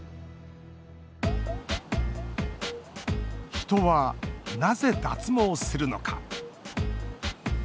人は、なぜ脱毛するのか。